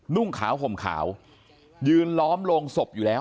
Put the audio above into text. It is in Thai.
นุ่งขาวห่มขาวยืนล้อมโรงศพอยู่แล้ว